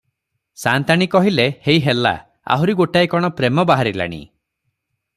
ସାଆନ୍ତାଣୀ କହିଲେ ହେଇ ହେଲା, ଆହୁରି ଗୋଟାଏ କ’ଣ ପ୍ରେମ ବାହାରିଲାଣି ।